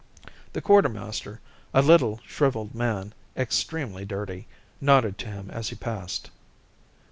The quartermaster, a little, shrivelled man, extremely dirty, nodded to him as he passed.